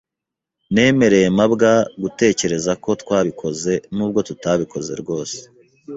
Nemereye mabwa gutekereza ko twabikoze nubwo tutabikoze rwose.